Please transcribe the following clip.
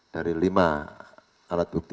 dari lima alat bukti